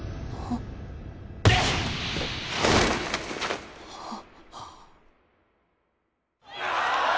ああ。